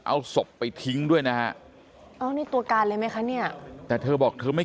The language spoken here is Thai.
เอาศพไปทิ้งด้วยนะฮะอ๋อนี่ตัวการเลยไหมคะเนี่ยแต่เธอบอกเธอไม่